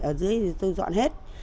ở dưới thì tôi dọn hết